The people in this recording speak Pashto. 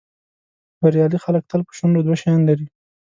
بریالي خلک تل په شونډو دوه شیان لري.